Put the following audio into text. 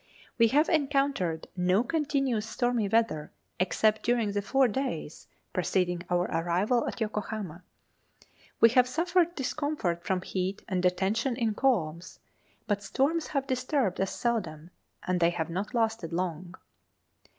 We have encountered no continuous stormy weather, except during the four days preceding our arrival at Yokohama. We have suffered discomfort from heat and detention in calms, but storms have disturbed us seldom, and they have not lasted long.